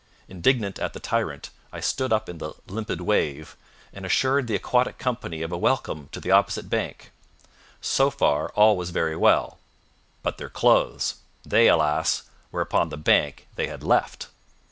Indignant at the tyrant, I stood up in the "limpid wave", and assured the aquatic company of a welcome to the opposite bank. So far all was very well. But their clothes! They, alas! were upon the bank they had left!